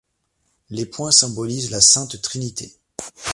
Les pointes symbolisent la Sainte-Trinité.